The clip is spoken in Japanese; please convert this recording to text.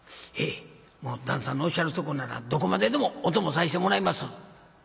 「へえ旦さんのおっしゃるとこならどこまででもお供させてもらいます」。